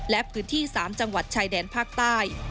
และพื้นที่๓จังหวัดชายแดนภาคใต้